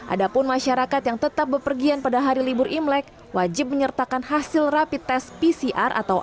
ada pun masyarakat yang tetap bepergian pada hari libur imlek wajib menyertakan hasil rapi tes pcr atau apk